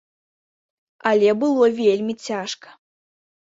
Але было вельмі цяжка.